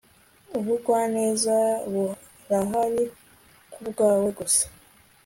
Ubugwaneza burahari kubwawe gusa